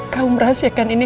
kamu merahsiakan ini